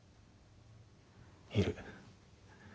いる。